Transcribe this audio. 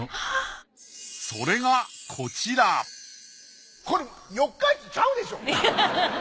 それがこちらこれ四日市ちゃうでしょう。